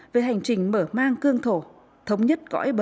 về hành trình mở mang cương thổ thống nhất cõi bờ